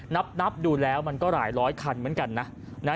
นับดูแล้วมันก็หลายร้อยคันเหมือนกันนะ